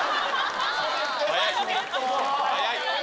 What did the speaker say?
早い。